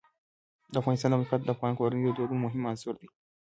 د افغانستان د موقعیت د افغان کورنیو د دودونو مهم عنصر دی.